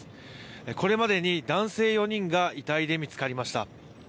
これまでに男性４人が遺体で見つかりました。